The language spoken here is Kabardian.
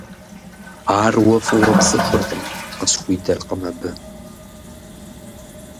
— Уэ ар фӀыуэ пцӀыхуркъым, — къысхуидэркъым абы.